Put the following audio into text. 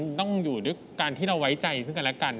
มันต้องอยู่ด้วยการที่เราไว้ใจซึ่งกันและกัน